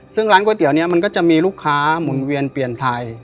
ซึ่งร้านก๋วยเตี๋ยวนี้มันก็จะมีลูกค้าหมุนเวียนเปลี่ยนไทย